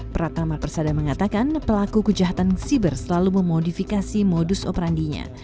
pratama persada mengatakan pelaku kejahatan siber selalu memodifikasi modus operandinya